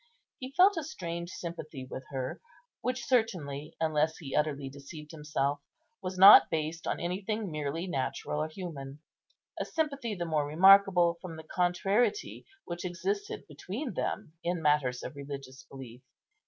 He felt a strange sympathy with her, which certainly unless he utterly deceived himself, was not based on anything merely natural or human,—a sympathy the more remarkable from the contrariety which existed between them in matters of religious belief.